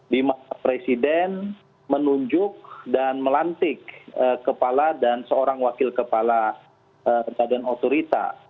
di mana presiden menunjuk dan melantik kepala dan seorang wakil kepala badan otorita